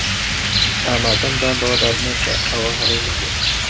ئامادەم دان بەوەدا بنێم کە ئەوە هەڵەی من بوو.